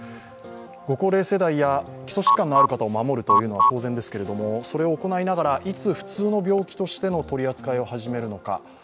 ご高齢世代や基礎疾患のある方を守るというのは当然ですけどそれを行いながら、いつ普通の病気としての取り扱いを始めるのか。